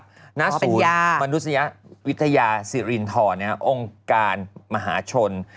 อ๋อเป็นยาณศูนย์มนุษยวิทยาศิรินทรองค์การมหาชน